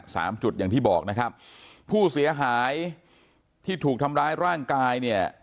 สามจุดอย่างที่บอกนะครับผู้เสียหายที่ถูกทำร้ายร่างกายเนี่ย